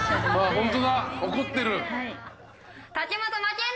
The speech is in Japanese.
本当だ怒ってる。